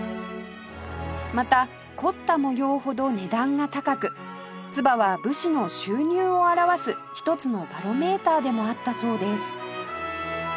また凝った模様ほど値段が高く鐔は武士の収入を表す一つのバロメーターでもあったそうです